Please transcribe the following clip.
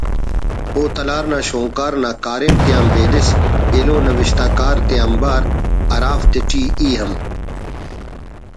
و ”تلار“ نا شونکار نا کاریم تیان بیدس ایلو نوشتکار آتیانبار (ہرافتے ٹی ای ہم